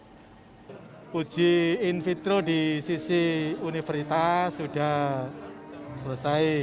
uji in vitro di sisi universitas sudah selesai